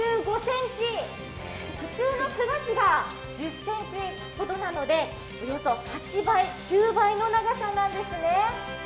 普通のふ菓子が１０ｃｍほどなのでおよそ８倍、９倍の長さなんですね。